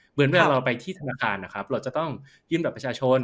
เหมือนเวลาเราไปที่ธนาคารนะครับเราจะต้องยืมบัตรประชาชน